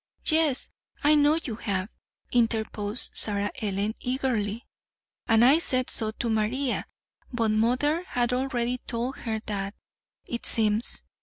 "Yes, I know you have," interposed Sarah Ellen eagerly; "and I said so to Maria. But mother had already told her that, it seems.